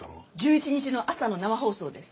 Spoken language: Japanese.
１１日の朝の生放送です。